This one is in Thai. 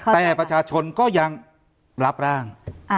แต่ประชาชนก็ยังรับร่าง